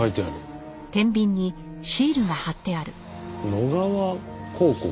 「野川高校」。